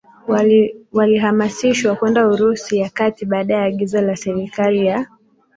walihamishwa kwenda Urusi ya Kati baada ya agizo la Serikali ya